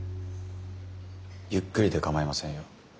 ゆっくりで構いませんよ。